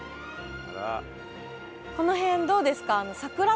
この辺どうですか？